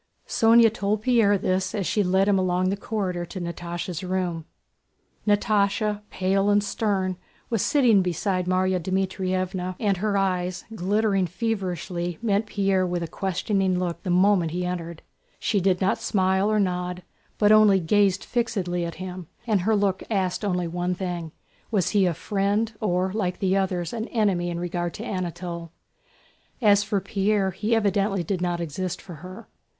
Sónya told Pierre this as she led him along the corridor to Natásha's room. Natásha, pale and stern, was sitting beside Márya Dmítrievna, and her eyes, glittering feverishly, met Pierre with a questioning look the moment he entered. She did not smile or nod, but only gazed fixedly at him, and her look asked only one thing: was he a friend, or like the others an enemy in regard to Anatole? As for Pierre, he evidently did not exist for her.